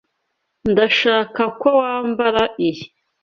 Ndashaka ko wambara iyi.